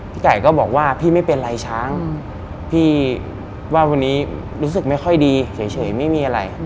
ไก่ก็บอกว่าพี่ไม่เป็นไรช้างพี่ว่าวันนี้รู้สึกไม่ค่อยดีเฉยไม่มีอะไร